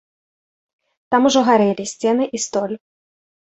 Там ужо гарэлі сцены і столь.